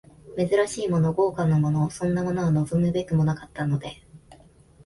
珍しいもの、豪華なもの、そんなものは望むべくもなかったので、